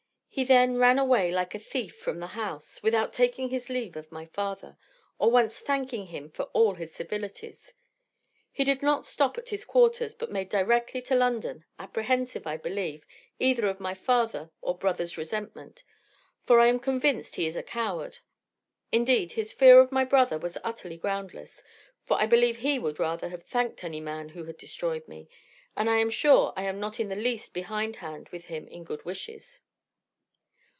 He then ran away like a thief from the house, without taking his leave of my father, or once thanking him for all his civilities. He did not stop at his quarters, but made directly to London, apprehensive, I believe, either of my father or brother's resentment; for I am convinced he is a coward. Indeed his fear of my brother was utterly groundless; for I believe he would rather have thanked any man who had destroyed me; and I am sure I am not in the least behindhand with him in good wishes.